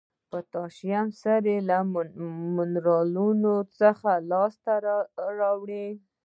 پوتاشیمي سرې له منرالونو څخه لاس ته راوړي.